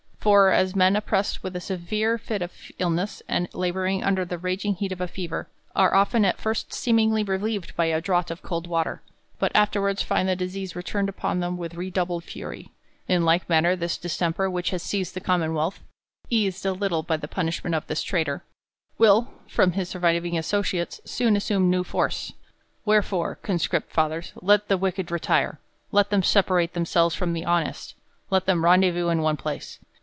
For as men, oppressed with a severe fit of illness, and labouring under the raging heat of a fever, are often at first seemingly relieved by a draught of cold watf r ; 1S2 THE COLUMBIAN ORATOR. ^ "■2 water ; but afterwards find the disease return upon them with redoubled fury ; in like manner, this distemper, which has seized the commonwealth, eased a little by the punishment of this traitor, will, from his surviving associates, soon assume new force. Wherefore, con script fathers, let the wicked retire ; let them sepa rate themselves from the honest ; let them rendezvous in one place.